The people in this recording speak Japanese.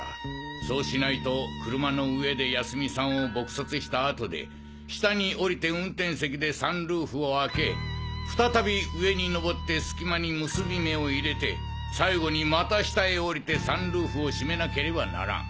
そうしないと車の上で泰美さんを撲殺した後で下におりて運転席でサンルーフを開け再び上にのぼってすき間に結び目を入れて最後にまた下へおりてサンルーフを閉めなければならん。